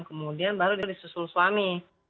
kemudian baru disusul suami